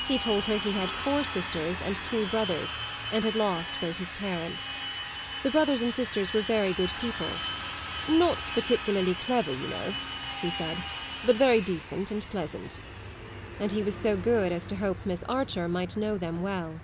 He told her he had four sisters and two brothers and had lost both his parents. The brothers and sisters were very good people "not particularly clever, you know," he said, "but very decent and pleasant;" and he was so good as to hope Miss Archer might know them well.